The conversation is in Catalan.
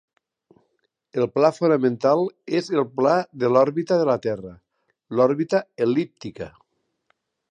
El pla fonamental és el pla de l'òrbita de la Terra, l'òrbita el·líptica.